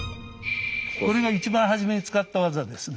これが一番初めに使った技ですね。